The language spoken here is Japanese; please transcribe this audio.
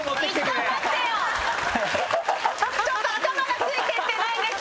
ちょっと頭が付いてってないんです！